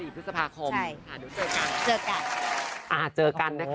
พฤษภาคมดูเจอกันนะค่ะค่ะโอเค